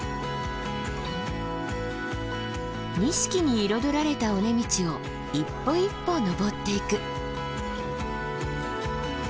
錦に彩られた尾根道を一歩一歩登っていく。